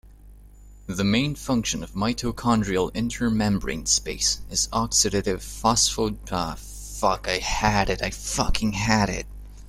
The main function of mitochondrial intermembrane space is oxidative phosphorylation.